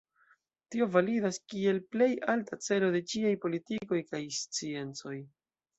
Tio validas kiel plej alta celo de ĉiaj politikoj kaj sciencoj.